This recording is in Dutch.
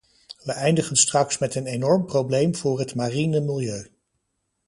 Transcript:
We eindigen straks met een enorm probleem voor het mariene milieu.